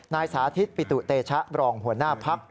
นายสาธิตปิตุเตชะรองหัวหน้าพัก